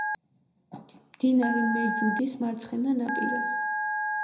მდინარე მეჯუდის მარცხენა ნაპირას.